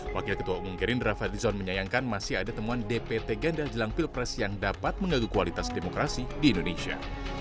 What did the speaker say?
wakil ketua umum gerindra fadlizon menyayangkan masih ada temuan dpt ganda jelang pilpres yang dapat menggaguh kualitas demokrasi di indonesia